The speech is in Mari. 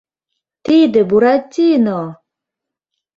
— Тиде Буратино!